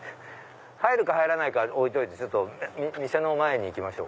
入るか入らないかは置いておいて店の前に行きましょう。